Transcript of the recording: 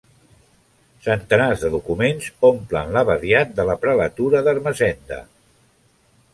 Centenars de documents omplen l'abadiat de la prelatura d'Ermessenda.